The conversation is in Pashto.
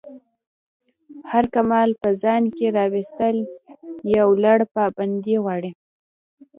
هر کمال په ځان کی راویستل یو لَړ پابندی غواړی.